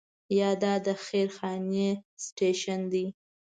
یا دا د خیر خانې سټیشن دی.